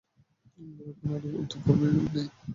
তুমি এখন আর পূর্ব ইউরোপে নেই।